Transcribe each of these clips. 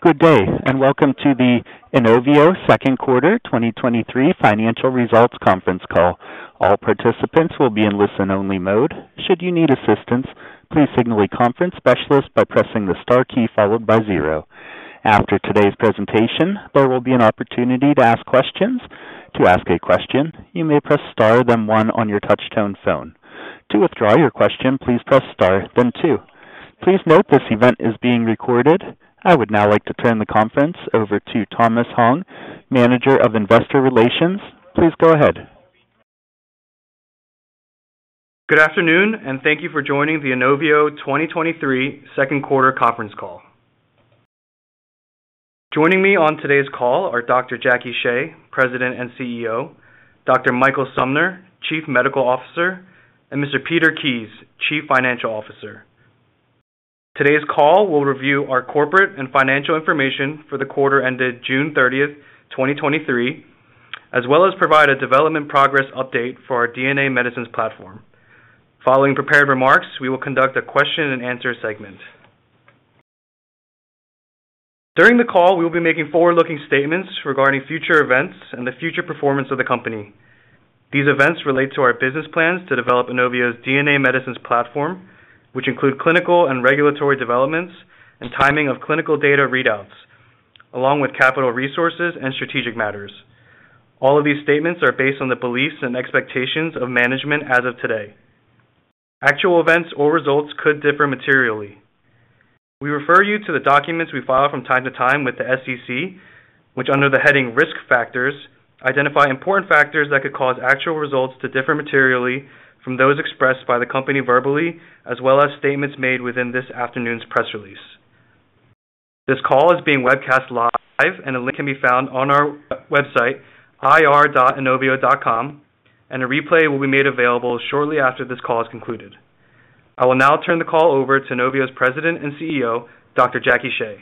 Good day, and welcome to the Inovio second quarter 2023 financial results conference call. All participants will be in listen-only mode. Should you need assistance, please signal a conference specialist by pressing the star key followed by zero. After today's presentation, there will be an opportunity to ask questions. To ask a question, you may press star, then one on your touchtone phone. To withdraw your question, please press star, then two. Please note this event is being recorded. I would now like to turn the conference over to Thomas Hong, Manager of Investor Relations. Please go ahead. Good afternoon, and thank you for joining the Inovio 2023 second quarter conference call. Joining me on today's call are Dr. Jackie Shea, President and CEO, Dr. Michael Sumner, Chief Medical Officer, and Mr. Peter Kies, Chief Financial Officer. Today's call will review our corporate and financial information for the quarter ended June 30th, 2023, as well as provide a development progress update for our DNA medicines platform. Following prepared remarks, we will conduct a question and answer segment. During the call, we will be making forward-looking statements regarding future events and the future performance of the company. These events relate to our business plans to develop Inovio's DNA medicines platform, which include clinical and regulatory developments and timing of clinical data readouts, along with capital resources and strategic matters. All of these statements are based on the beliefs and expectations of management as of today. Actual events or results could differ materially. We refer you to the documents we file from time to time with the SEC, which, under the heading Risk Factors, identify important factors that could cause actual results to differ materially from those expressed by the Company verbally, as well as statements made within this afternoon's press release. This call is being webcast live, and a link can be found on our website, ir.inovio.com, and a replay will be made available shortly after this call is concluded. I will now turn the call over to Inovio's President and CEO, Dr. Jackie Shea.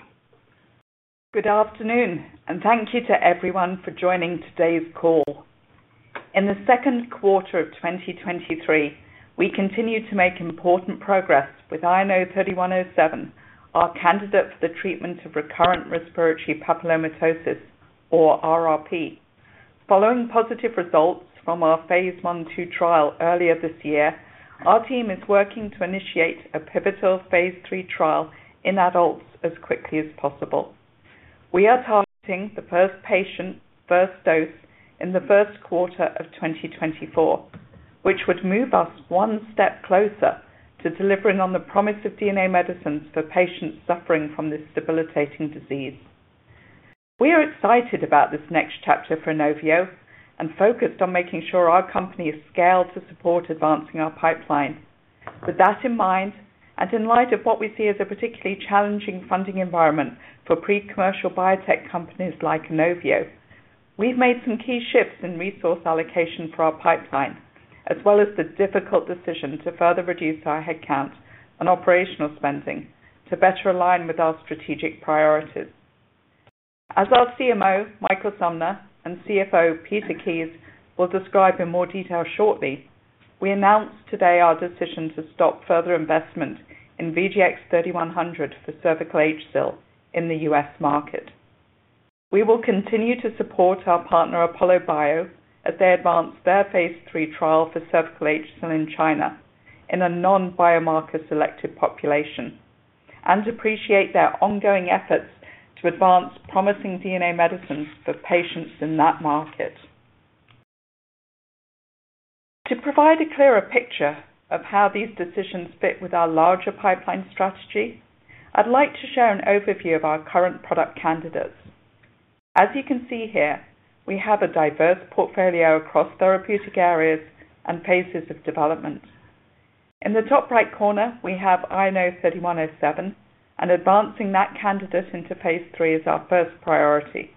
Good afternoon. Thank you to everyone for joining today's call. In the second quarter of 2023, we continued to make important progress with INO-3107, our candidate for the treatment of recurrent respiratory papillomatosis, or RRP. Following positive results from our phase I/II trial earlier this year, our team is working to initiate a pivotal phase III trial in adults as quickly as possible. We are targeting the first patient, first dose in the first quarter of 2024, which would move us one step closer to delivering on the promise of DNA medicines for patients suffering from this debilitating disease. We are excited about this next chapter for Inovio and focused on making sure our company is scaled to support advancing our pipeline. With that in mind, in light of what we see as a particularly challenging funding environment for pre-commercial biotech companies like Inovio, we've made some key shifts in resource allocation for our pipeline, as well as the difficult decision to further reduce our headcount and operational spending to better align with our strategic priorities. As our CMO, Michael Sumner, and CFO, Peter Kies, will describe in more detail shortly, we announced today our decision to stop further investment in VGX-3100 for cervical HSIL in the U.S. market. We will continue to support our partner, ApolloBio, as they advance their phase II trial for cervical HSIL in China in a non-biomarker selected population, and appreciate their ongoing efforts to advance promising DNA medicines for patients in that market. To provide a clearer picture of how these decisions fit with our larger pipeline strategy, I'd like to share an overview of our current product candidates. As you can see here, we have a diverse portfolio across therapeutic areas and phases of development. In the top right corner, we have INO-3107, and advancing that candidate into phase II is our 1st priority.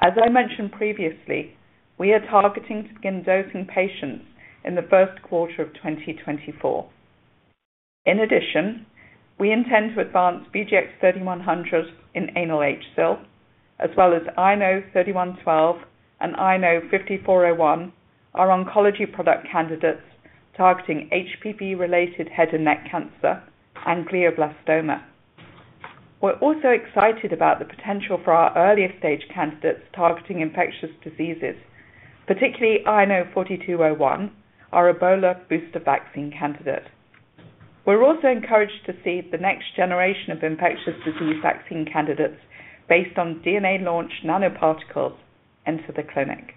As I mentioned previously, we are targeting to begin dosing patients in the 1st quarter of 2024. In addition, we intend to advance VGX-3100 in anal HSIL, as well as INO-3112 and INO-5401, our oncology product candidates targeting HPV-related head and neck cancer and glioblastoma. We're also excited about the potential for our earlier-stage candidates targeting infectious diseases, particularly INO-4201, our Ebola booster vaccine candidate. We're also encouraged to see the next generation of infectious disease vaccine candidates based on DNA-launched nanoparticles enter the clinic.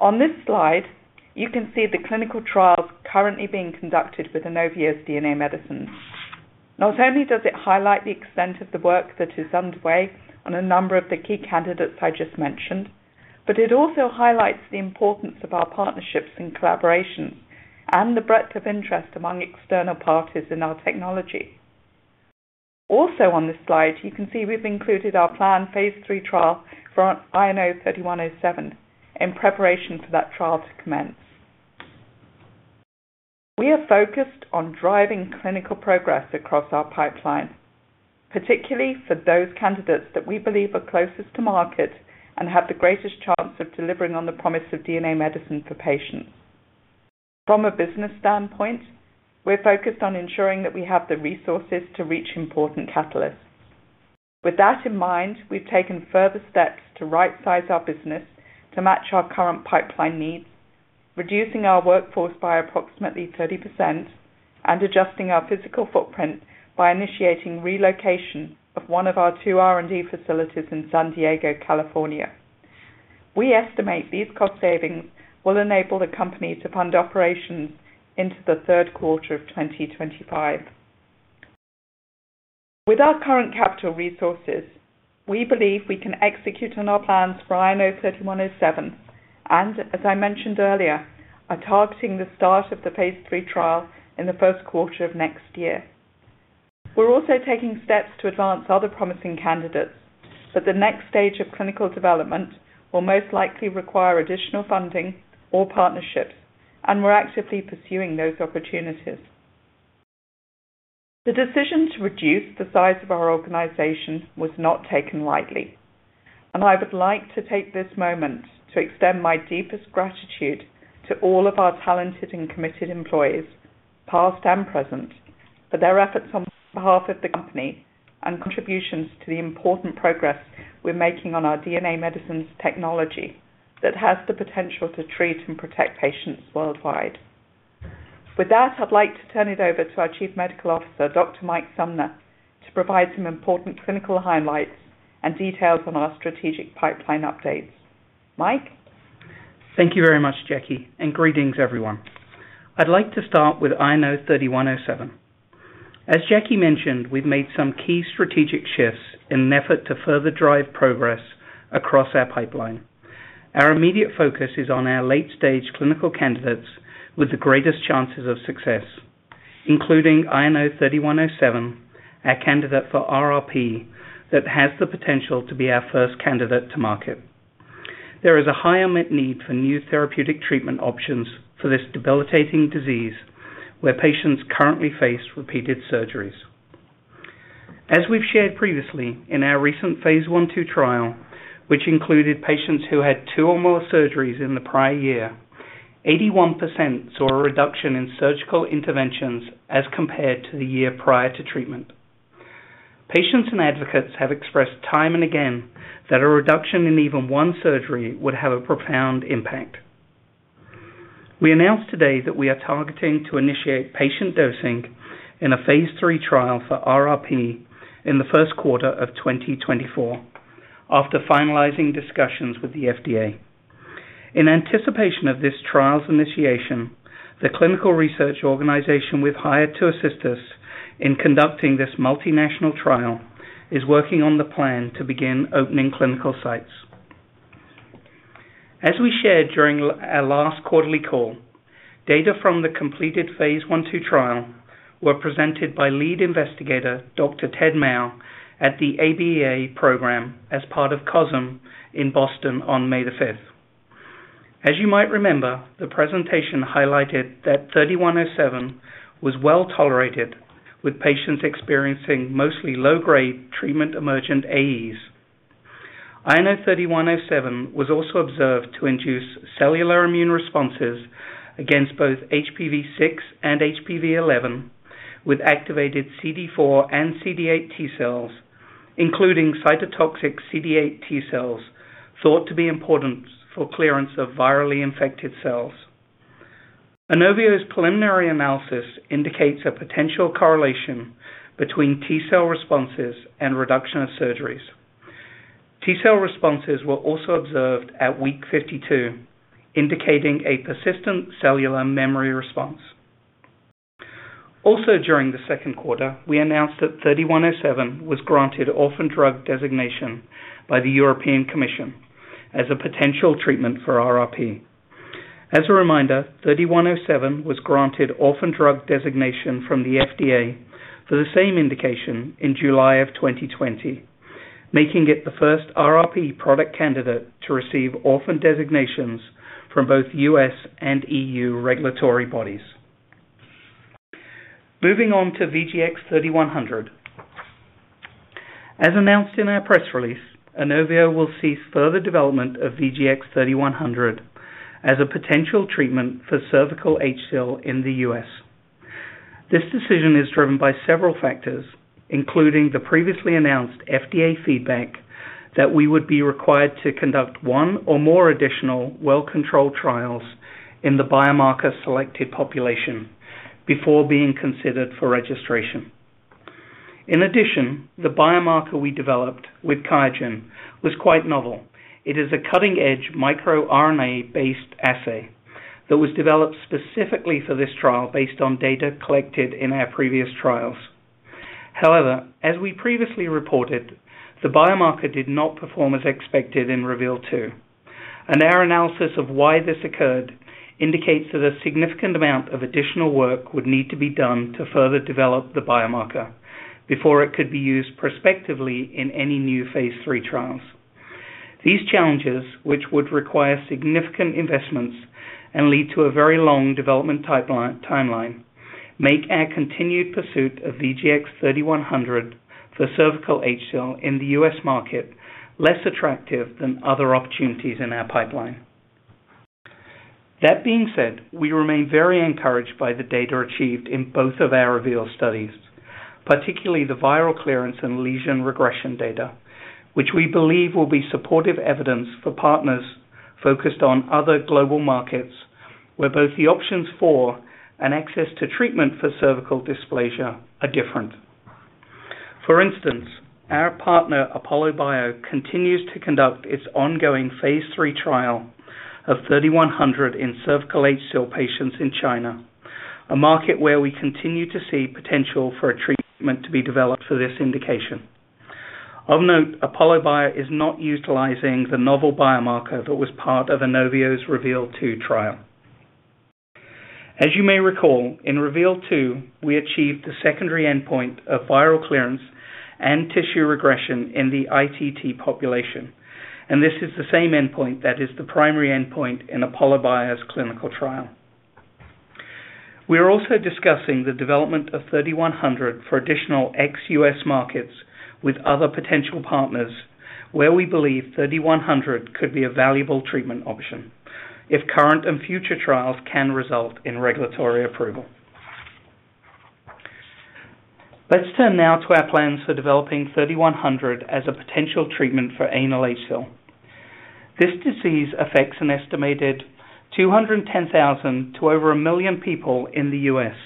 On this slide, you can see the clinical trials currently being conducted with Inovio's DNA medicines. Not only does it highlight the extent of the work that is underway on a number of the key candidates I just mentioned, but it also highlights the importance of our partnerships and collaborations and the breadth of interest among external parties in our technology. Also on this slide, you can see we've included our planned phase III trial for INO-3107 in preparation for that trial to commence. We are focused on driving clinical progress across our pipeline, particularly for those candidates that we believe are closest to market and have the greatest chance of delivering on the promise of DNA medicine for patients. From a business standpoint, we're focused on ensuring that we have the resources to reach important catalysts. With that in mind, we've taken further steps to right-size our business to match our current pipeline needs, reducing our workforce by approximately 30% and adjusting our physical footprint by initiating relocation of 1 of our 2 R&D facilities in San Diego, California. We estimate these cost savings will enable the company to fund operations into the third quarter of 2025. With our current capital resources, we believe we can execute on our plans for INO-3107, and as I mentioned earlier, are targeting the start of the phase III trial in the first quarter of next year. We're also taking steps to advance other promising candidates, but the next stage of clinical development will most likely require additional funding or partnerships, and we're actively pursuing those opportunities. The decision to reduce the size of our organization was not taken lightly, and I would like to take this moment to extend my deepest gratitude to all of our talented and committed employees, past and present, for their efforts on behalf of the company and contributions to the important progress we're making on our DNA medicines technology that has the potential to treat and protect patients worldwide. With that, I'd like to turn it over to our Chief Medical Officer, Dr. Mike Sumner, to provide some important clinical highlights and details on our strategic pipeline updates. Mike? Thank you very much, Jackie. Greetings everyone. I'd like to start with INO-3107. As Jackie mentioned, we've made some key strategic shifts in an effort to further drive progress across our pipeline. Our immediate focus is on our late-stage clinical candidates with the greatest chances of success, including INO-3107, our candidate for RRP, that has the potential to be our first candidate to market. There is a high unmet need for new therapeutic treatment options for this debilitating disease, where patients currently face repeated surgeries. As we've shared previously in our recent phase I/II trial, which included patients who had 2 or more surgeries in the prior year, 81% saw a reduction in surgical interventions as compared to the year prior to treatment. Patients and advocates have expressed time and again that a reduction in even 1 surgery would have a profound impact. We announced today that we are targeting to initiate patient dosing in a phase III trial for RRP in the 1st quarter of 2024, after finalizing discussions with the FDA. In anticipation of this trial's initiation, the clinical research organization we've hired to assist us in conducting this multinational trial is working on the plan to begin opening clinical sites. As we shared during our last quarterly call, data from the completed phase I/II trial were presented by lead investigator, Dr. Ted Mau, at the ABEA program as part of COSM in Boston on May the 5th. As you might remember, the presentation highlighted that 3107 was well tolerated, with patients experiencing mostly low-grade treatment emergent AEs. INO-3107 was also observed to induce cellular immune responses against both HPV6 and HPV11, with activated CD4 and CD8 T cells, including cytotoxic CD8 T cells, thought to be important for clearance of virally infected cells. Inovio's preliminary analysis indicates a potential correlation between T cell responses and reduction of surgeries. T cell responses were also observed at week 52, indicating a persistent cellular memory response. During the second quarter, we announced that 3107 was granted orphan drug designation by the European Commission as a potential treatment for RRP. As a reminder, 3107 was granted orphan drug designation from the FDA for the same indication in July of 2020, making it the first RRP product candidate to receive orphan designations from both U.S. and E.U. regulatory bodies. Moving on to VGX-3100. As announced in our press release, Inovio will cease further development of VGX-3100 as a potential treatment for cervical HSIL in the U.S. This decision is driven by several factors, including the previously announced FDA feedback that we would be required to conduct one or more additional well-controlled trials in the biomarker selected population before being considered for registration. In addition, the biomarker we developed with QIAGEN was quite novel. It is a cutting-edge microRNA-based assay that was developed specifically for this trial based on data collected in our previous trials. However, as we previously reported, the biomarker did not perform as expected in REVEAL 2, and our analysis of why this occurred indicates that a significant amount of additional work would need to be done to further develop the biomarker before it could be used prospectively in any new phase III trials. These challenges, which would require significant investments and lead to a very long development timeline, make our continued pursuit of VGX-3100 for cervical HSIL in the U.S. market less attractive than other opportunities in our pipeline. Being said, we remain very encouraged by the data achieved in both of our REVEAL studies, particularly the viral clearance and lesion regression data, which we believe will be supportive evidence for partners focused on other global markets, where both the options for and access to treatment for cervical dysplasia are different. For instance, our partner, ApolloBio, continues to conduct its ongoing phase III trial of 3,100 in cervical HSIL patients in China, a market where we continue to see potential for a treatment to be developed for this indication. Of note, ApolloBio is not utilizing the novel biomarker that was part of Inovio's REVEAL 2 trial. As you may recall, in REVEAL 2, we achieved the secondary endpoint of viral clearance and tissue regression in the ITT population. This is the same endpoint that is the primary endpoint in ApolloBio's clinical trial. We are also discussing the development of 3100 for additional ex-U.S. markets with other potential partners, where we believe 3100 could be a valuable treatment option if current and future trials can result in regulatory approval. Let's turn now to our plans for developing 3100 as a potential treatment for anal HSIL. This disease affects an estimated 210,000 to over 1 million people in the U.S.,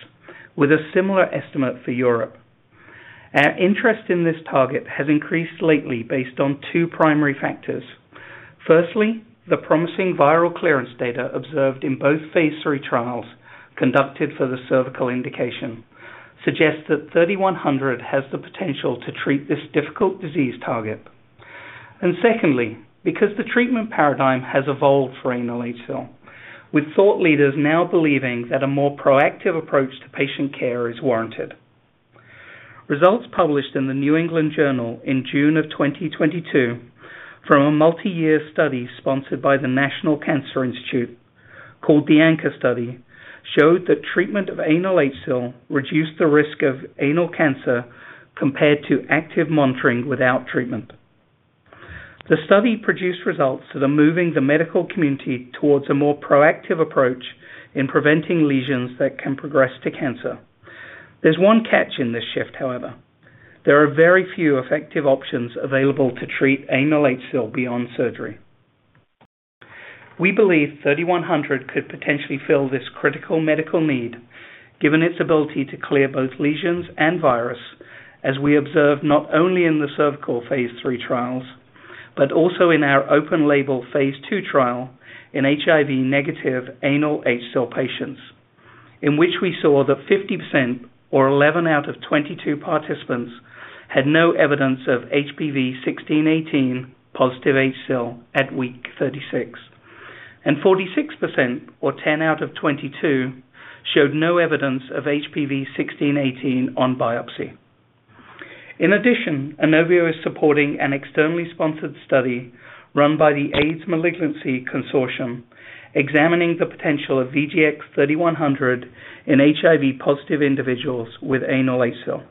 with a similar estimate for Europe. Our interest in this target has increased lately based on two primary factors. Firstly, the promising viral clearance data observed in both phase III trials conducted for the cervical indication suggests that 3100 has the potential to treat this difficult disease target. Secondly, because the treatment paradigm has evolved for anal HSIL, with thought leaders now believing that a more proactive approach to patient care is warranted. Results published in the New England Journal in June of 2022 from a multi-year study sponsored by the National Cancer Institute, called the ANCHOR study, showed that treatment of anal HSIL reduced the risk of anal cancer compared to active monitoring without treatment. The study produced results that are moving the medical community towards a more proactive approach in preventing lesions that can progress to cancer. There's one catch in this shift, however, there are very few effective options available to treat anal HSIL beyond surgery. We believe 3100 could potentially fill this critical medical need, given its ability to clear both lesions and virus, as we observed not only in the cervical phase III trials, but also in our open label phase II trial in HIV-negative anal HSIL patients, in which we saw that 50% or 11 out of 22 participants had no evidence of HPV-16, 18-positive HSIL at week 36, and 46% or 10 out of 22 showed no evidence of HPV-16/18 on biopsy. In addition, Inovio is supporting an externally sponsored study run by the AIDS Malignancy Consortium, examining the potential of VGX-3100 in HIV-positive individuals with anal HSIL.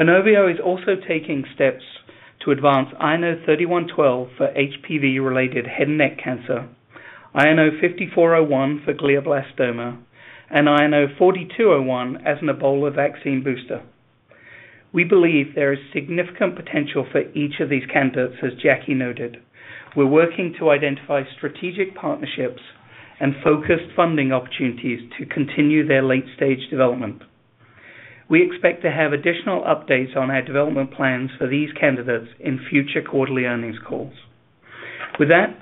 Inovio is also taking steps to advance INO-3112 for HPV-related head and neck cancer, INO-5401 for glioblastoma, and INO-4201 as an Ebola vaccine booster.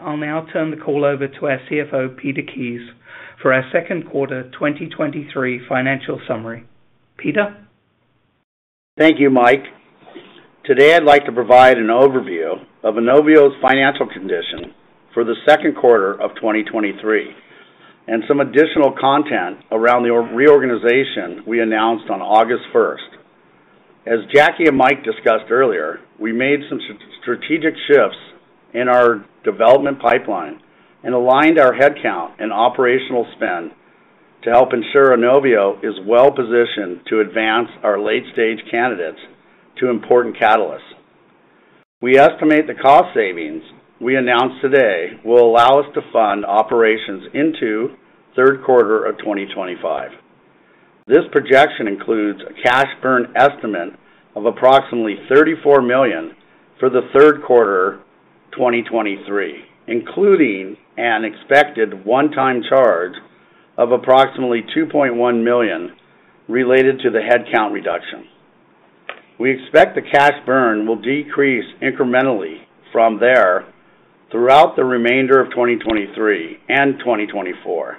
I'll now turn the call over to our CFO, Peter Kies, for our second quarter 2023 financial summary. Peter? Thank you, Mike. Today, I'd like to provide an overview of Inovio's financial condition for the second quarter of 2023, and some additional content around the reorganization we announced on August 1st. As Jackie and Mike discussed earlier, we made some strategic shifts in our development pipeline and aligned our headcount and operational spend to help ensure Inovio is well positioned to advance our late stage candidates to important catalysts. We estimate the cost savings we announced today will allow us to fund operations into 3Q 2025. This projection includes a cash burn estimate of approximately $34 million for the 3Q 2023, including an expected one-time charge of approximately $2.1 million related to the headcount reduction. We expect the cash burn will decrease incrementally from there throughout the remainder of 2023 and 2024.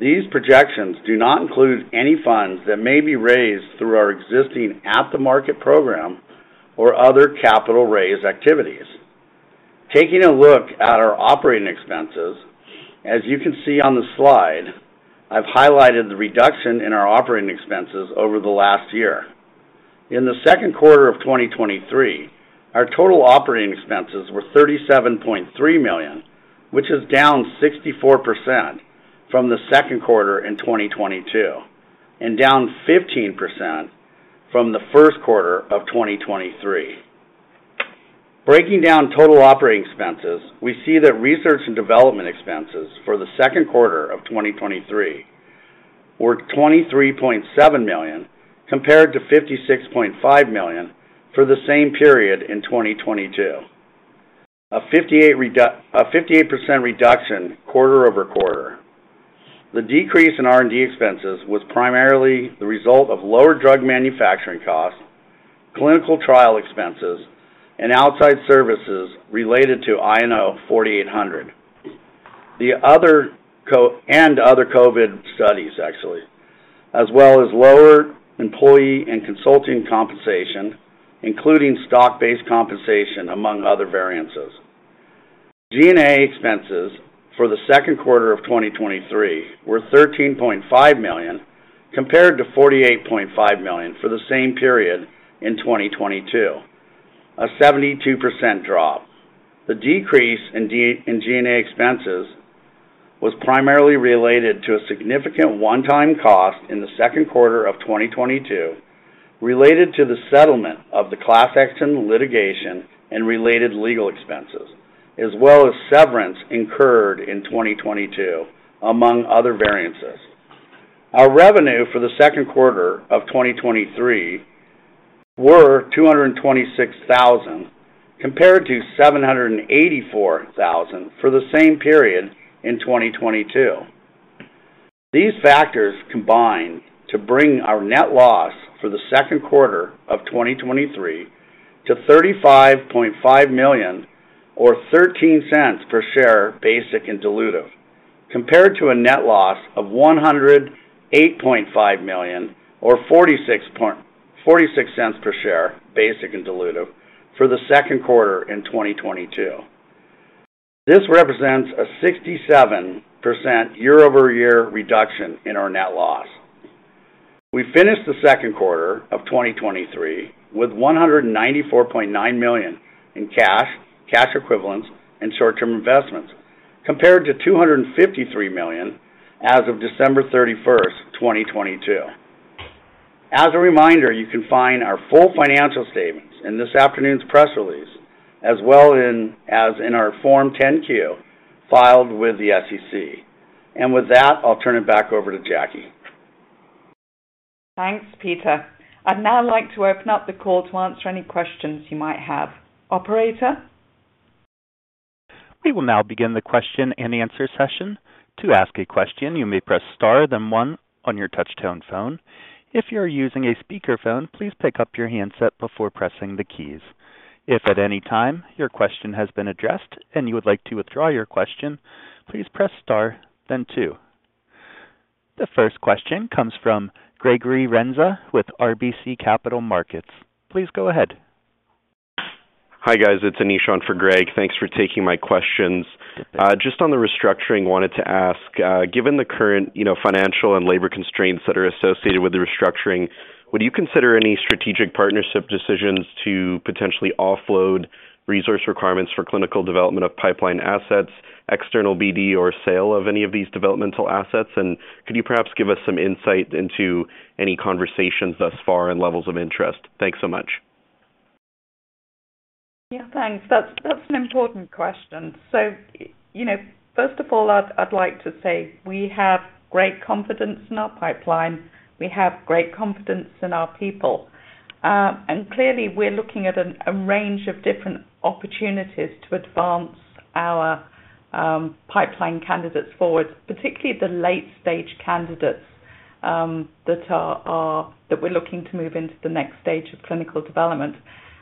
These projections do not include any funds that may be raised through our existing at-the-market program or other capital raise activities. Taking a look at our operating expenses, as you can see on the slide, I've highlighted the reduction in our operating expenses over the last year. In the second quarter of 2023, our total operating expenses were $37.3 million, which is down 64% from the second quarter in 2022, and down 15% from the first quarter of 2023. Breaking down total operating expenses, we see that research and development expenses for the second quarter of 2023 were $23.7 million, compared to $56.5 million for the same period in 2022, a 58% reduction quarter-over-quarter. The decrease in R&D expenses was primarily the result of lower drug manufacturing costs, clinical trial expenses, and outside services related to INO-4800. And other COVID studies, actually, as well as lower employee and consulting compensation, including stock-based compensation, among other variances. G&A expenses for the second quarter of 2023 were $13.5 million, compared to $48.5 million for the same period in 2022, a 72% drop. The decrease in G&A expenses was primarily related to a significant one-time cost in the second quarter of 2022, related to the settlement of the class action litigation and related legal expenses, as well as severance incurred in 2022, among other variances. Our revenue for the second quarter of 2023 were $226,000, compared to $784,000 for the same period in 2022. These factors combined to bring our net loss for the second quarter of 2023 to $35.5 million or $0.13 per share, basic and dilutive, compared to a net loss of $108.5 million or $0.46 per share, basic and dilutive, for the second quarter in 2022. This represents a 67% year-over-year reduction in our net loss. We finished the second quarter of 2023 with $194.9 million in cash, cash equivalents, and short-term investments, compared to $253 million as of December 31st, 2022. As a reminder, you can find our full financial statements in this afternoon's press release, as well in, as in our Form 10-Q, filed with the SEC. With that, I'll turn it back over to Jackie. Thanks, Peter. I'd now like to open up the call to answer any questions you might have. Operator? We will now begin the question-and-answer session. To ask a question, you may press star, then one on your touchtone phone. If you are using a speakerphone, please pick up your handset before pressing the keys. If at any time your question has been addressed and you would like to withdraw your question, please press star then two. The first question comes from Gregory Renza with RBC Capital Markets. Please go ahead. Hi, guys. It's Anish for Greg. Thanks for taking my questions. Just on the restructuring, wanted to ask, given the current, you know, financial and labor constraints that are associated with the restructuring, would you consider any strategic partnership decisions to potentially offload resource requirements for clinical development of pipeline assets, external BD, or sale of any of these developmental assets? Could you perhaps give us some insight into any conversations thus far and levels of interest? Thanks so much. Yeah, thanks. That's, that's an important question. You know, first of all, I'd, I'd like to say we have great confidence in our pipeline. We have great confidence in our people. Clearly, we're looking at a, a range of different opportunities to advance our pipeline candidates forward, particularly the late-stage candidates that we're looking to move into the next stage of clinical development.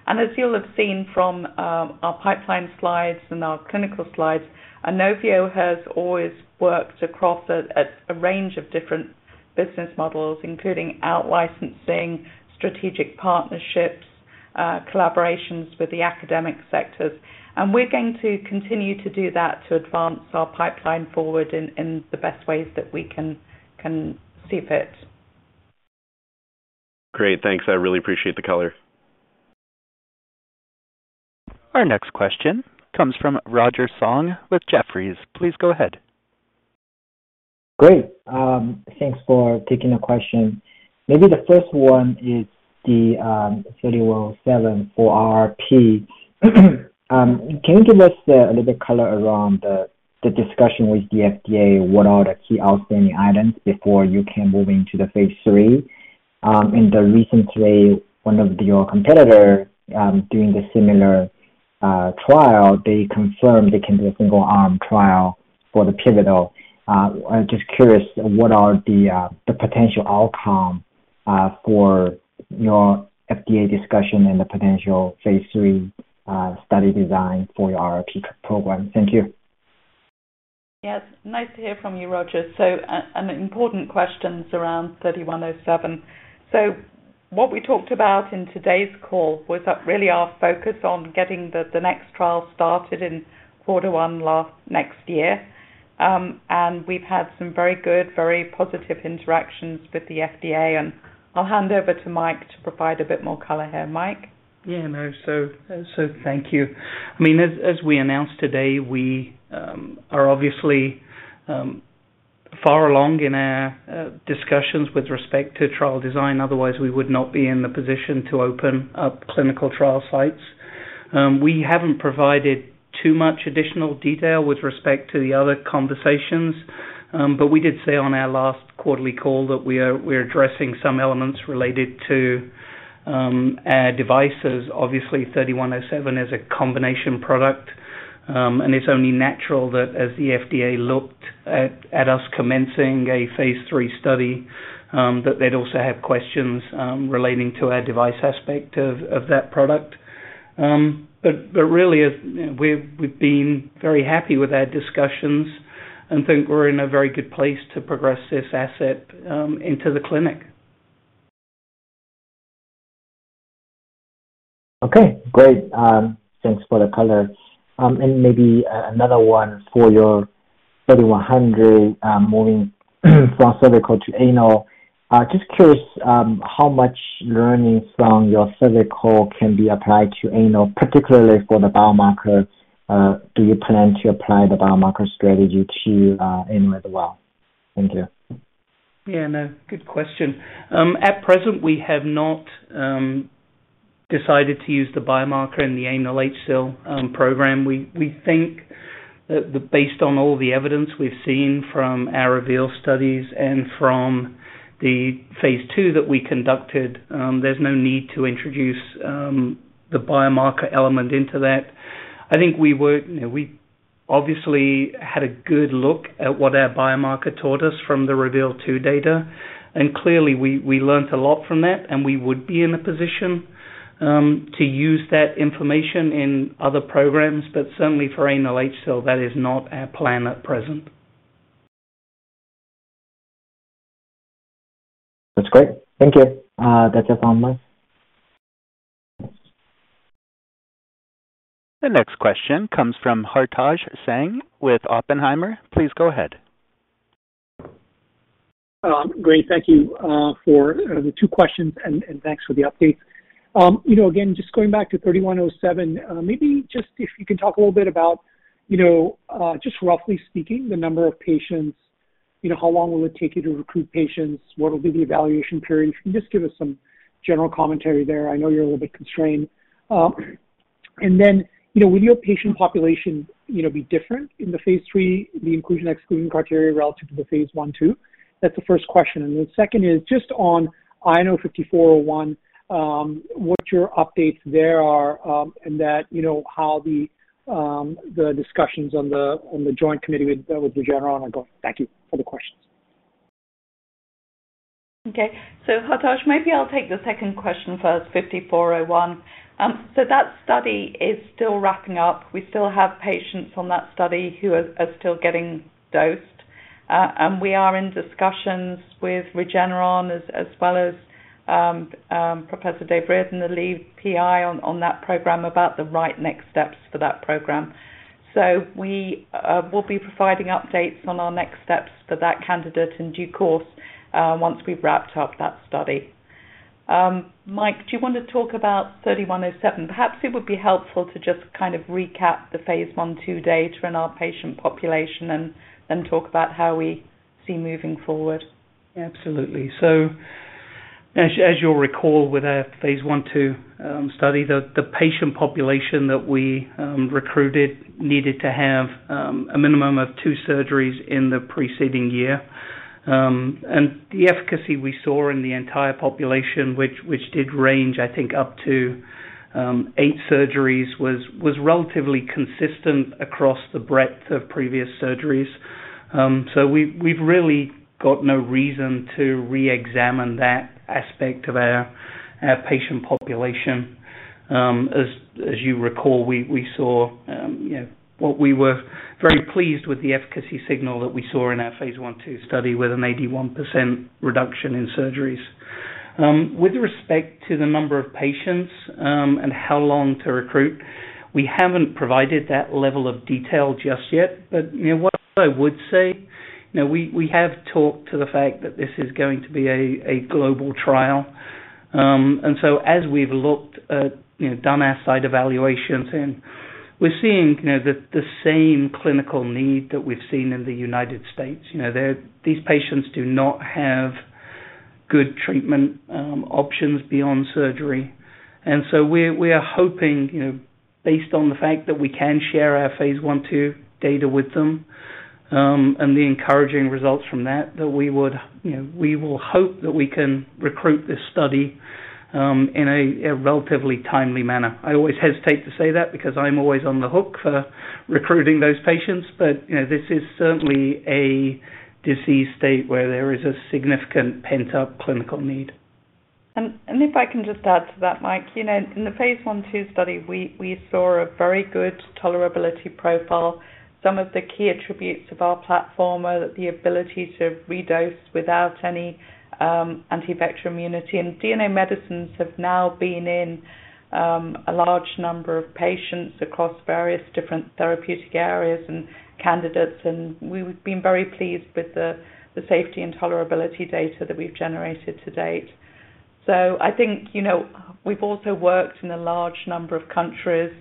As you'll have seen from our pipeline slides and our clinical slides, Inovio has always worked across a range of different business models, including out-licensing, strategic partnerships, collaborations with the academic sectors. We're going to continue to do that to advance our pipeline forward in, in the best ways that we can, can see fit. Great, thanks. I really appreciate the color. Our next question comes from Roger Song with Jefferies. Please go ahead. Great. Thanks for taking the question. Maybe the first one is the 3107 for RP. Can you give us a little bit color around the discussion with the FDA? What are the key outstanding items before you can move into the phase III? In the recently, one of your competitor, doing the similar trial, they confirmed they can do a single-arm trial for the pivotal. I'm just curious, what are the potential outcome for your FDA discussion and the potential phase III study design for your RP program? Thank you. Yes, nice to hear from you, Roger. Important questions around INO-3107. What we talked about in today's call was that really our focus on getting the next trial started in Q1 next year. And we've had some very good, very positive interactions with the FDA, and I'll hand over to Mike to provide a bit more color here. Mike? Yeah, no. Thank you. I mean, as, as we announced today, we are obviously far along in our discussions with respect to trial design, otherwise we would not be in the position to open up clinical trial sites. We haven't provided too much additional detail with respect to the other conversations, but we did say on our last quarterly call that we're addressing some elements related to our devices. Obviously, INO-3107 is a combination product, and it's only natural that as the FDA looked at us commencing a phase III study, that they'd also have questions relating to our device aspect of that product. But really, we've been very happy with our discussions and think we're in a very good place to progress this asset into the clinic. Okay, great. Thanks for the color. And maybe another one for your VGX-3100, moving from cervical to anal. Just curious, how much learnings from your cervical can be applied to anal, particularly for the biomarker. Do you plan to apply the biomarker strategy to anal as well? Thank you. Yeah, no, good question. At present, we have not decided to use the biomarker in the anal HSIL program. We, we think that based on all the evidence we've seen from our REVEAL studies and from the phase II that we conducted, there's no need to introduce the biomarker element into that. I think we were, you know, we obviously had a good look at what our biomarker taught us from the REVEAL 2 data, and clearly we, we learned a lot from that, and we would be in a position to use that information in other programs, but certainly for anal HSIL, that is not our plan at present. That's great. Thank you. That's just online. The next question comes from Hartaj Singh with Oppenheimer. Please go ahead. Great. Thank you, for the 2 questions, and thanks for the updates. You know, again, just going back to INO-3107, maybe just if you can talk a little bit about, you know, just roughly speaking, the number of patients, you know, how long will it take you to recruit patients? What will be the evaluation period? Can you just give us some general commentary there? I know you're a little bit constrained. Then, you know, will your patient population, you know, be different in the phase III, the inclusion, exclusion criteria relative to the phase I/II? That's the first question. The second is just on INO-5401, what your updates there are, and that, you know, how the discussions on the joint committee with Regeneron are going. Thank you for the questions. Okay. Hartaj, maybe I'll take the second question first, INO-5401. That study is still wrapping up. We still have patients on that study who are, are still getting dosed, and we are in discussions with Regeneron as, as well as, Professor David Reardon, the lead PI on, on that program, about the right next steps for that program. We will be providing updates on our next steps for that candidate in due course, once we've wrapped up that study. Mike, do you want to talk about INO-3107? Perhaps it would be helpful to just kind of recap the phase I/II data in our patient population and then talk about how we see moving forward. Absolutely. As, as you'll recall, with our phase I/II study, the patient population that we recruited needed to have a minimum of two surgeries in the preceding year. The efficacy we saw in the entire population, which, which did range, I think, up to eight surgeries, was, was relatively consistent across the breadth of previous surgeries. We've, we've really got no reason to reexamine that aspect of our, our patient population. As, as you recall, we, we saw, you know, what we were very pleased with the efficacy signal that we saw in our phase I/II study with an 81% reduction in surgeries. With respect to the number of patients, and how long to recruit, we haven't provided that level of detail just yet, but what I would say, we, we have talked to the fact that this is going to be a global trial. And so as we've looked at, done our site evaluations, and we're seeing the same clinical need that we've seen in the United States. There, these patients do not have good treatment options beyond surgery. And so we, we are hoping, based on the fact that we can share our Phase I/II data with them, and the encouraging results from that, that we would, we will hope that we can recruit this study in a relatively timely manner. I always hesitate to say that because I'm always on the hook for recruiting those patients, but, you know, this is certainly a disease state where there is a significant pent-up clinical need. If I can just add to that, Mike, you know, in the phase I/II study, we, we saw a very good tolerability profile. Some of the key attributes of our platform are the ability to redose without any anti-vector immunity. DNA medicines have now been in a large number of patients across various different therapeutic areas and candidates, and we've been very pleased with the safety and tolerability data that we've generated to date. I think, you know, we've also worked in a large number of countries,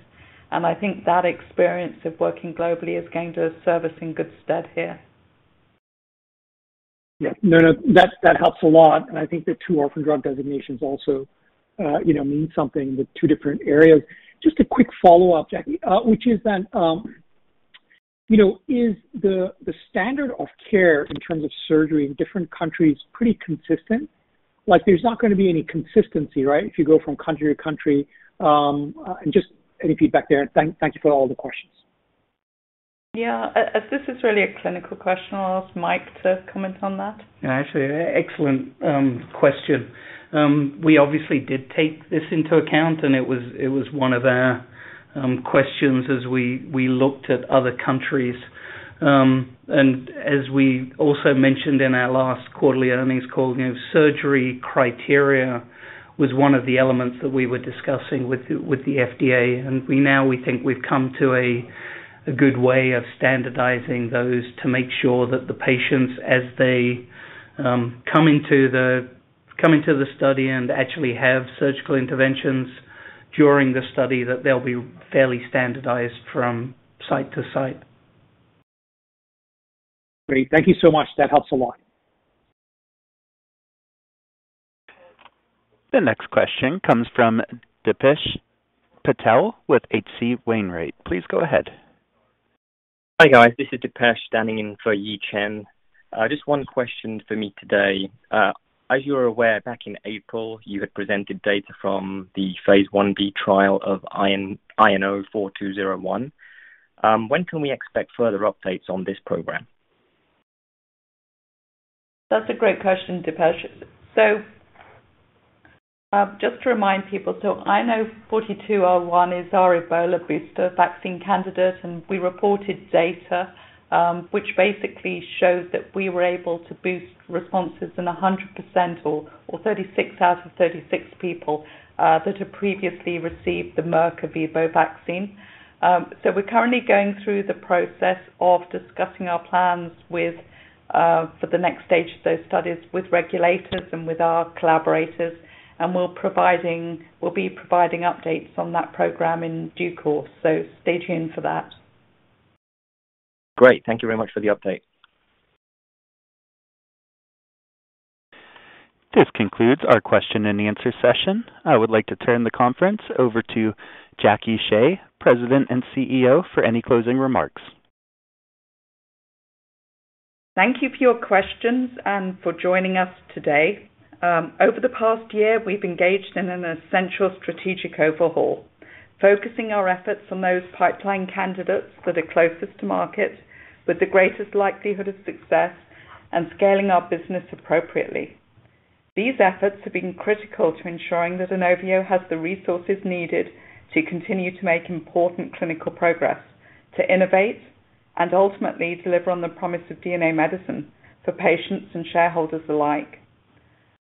and I think that experience of working globally is going to serve us in good stead here. Yeah. No, no, that, that helps a lot. I think the 2 orphan drug designations also, you know, mean something with 2 different areas. Just a quick follow-up, Jackie, which is that, you know, is the, the standard of care in terms of surgery in different countries pretty consistent? Like, there's not gonna be any consistency, right, if you go from country to country? Just any feedback there. Thank, thank you for all the questions. Yeah. As this is really a clinical question, I'll ask Mike to comment on that. Actually, excellent question. We obviously did take this into account, and it was, it was one of our questions as we looked at other countries. As we also mentioned in our last quarterly earnings call, you know, surgery criteria was one of the elements that we were discussing with the FDA, and we now we think we've come to a good way of standardizing those to make sure that the patients, as they come into the study and actually have surgical interventions during the study, that they'll be fairly standardized from site to site. Great. Thank you so much. That helps a lot. The next question comes from Dipesh Patel with H.C. Wainwright. Please go ahead. Hi, guys. This is Dipesh standing in for Yi Chen. Just one question for me today. As you are aware, back in April, you had presented data from the phase I-B trial of INO-4201. When can we expect further updates on this program? That's a great question, Dipesh. Just to remind people, INO-4201 is our Ebola booster vaccine candidate, and we reported data, which basically showed that we were able to boost responses in 100% or 36 out of 36 people that had previously received the Merck Ervebo vaccine. We're currently going through the process of discussing our plans for the next stage of those studies, with regulators and with our collaborators. We're providing, we'll be providing updates on that program in due course, so stay tuned for that. Great. Thank you very much for the update. This concludes our question-and-answer session. I would like to turn the conference over to Jackie Shea, President and CEO, for any closing remarks. Thank you for your questions and for joining us today. Over the past year, we've engaged in an essential strategic overhaul, focusing our efforts on those pipeline candidates that are closest to market with the greatest likelihood of success and scaling our business appropriately. These efforts have been critical to ensuring that Inovio has the resources needed to continue to make important clinical progress, to innovate and ultimately deliver on the promise of DNA medicine for patients and shareholders alike.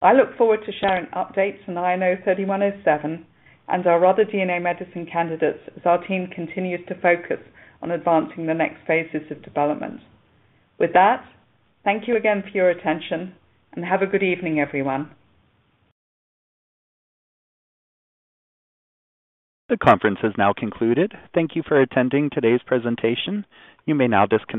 I look forward to sharing updates on INO-3107 and our other DNA medicine candidates, as our team continues to focus on advancing the next phases of development. With that, thank you again for your attention and have a good evening, everyone. The conference is now concluded. Thank you for attending today's presentation. You may now disconnect.